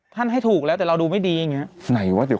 ให้ถูกแล้วแต่เราดูไม่ดีอย่างนี้